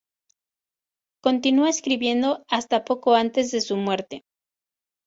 Continuó escribiendo hasta poco antes de su muerte.